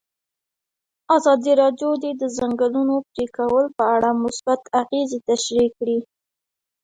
ازادي راډیو د د ځنګلونو پرېکول په اړه مثبت اغېزې تشریح کړي.